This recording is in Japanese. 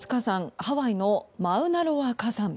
ハワイのマウナロア火山。